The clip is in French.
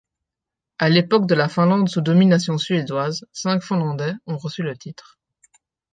À l'époque de la Finlande sous domination suédoise, cinq finlandais ont reçu le titre.